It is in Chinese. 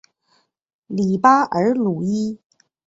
里巴尔鲁伊。